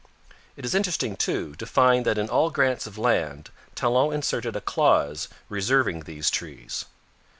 It is interesting, too, to find that in all grants of land Talon inserted a clause reserving these trees.